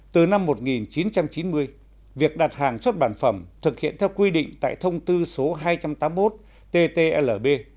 từ năm một nghìn chín trăm chín mươi việc đặt hàng xuất bản phẩm thực hiện theo quy định tại thông tư số hai trăm tám mươi một ttlb